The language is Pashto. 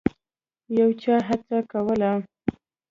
یو چا هڅه کوله.